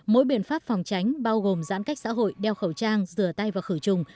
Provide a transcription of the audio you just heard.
mỗi biện pháp phòng tránh bao gồm giãn cách xã hội đeo khẩu trang rửa tay và khử trùng